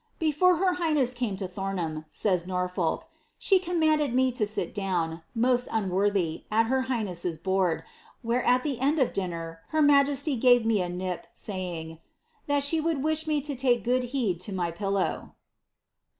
^ Before her highness came to Thomham," says Norfolk, ^ she commanded me to sit down, most unworthy, at her highnesses board, where at the end of dinner her majesty gave me a nip, saying, ^ that she would wish me to take good heed to my pillow.'